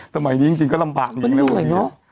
สมัยนี้จริงก็ลำปากมากอยู่แล้ว